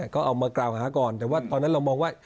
ก็เอามากล่าวหาก่อนแต่ว่าตอนนั้นเรามองว่า